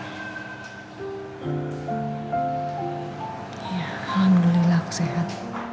ya alhamdulillah aku sehat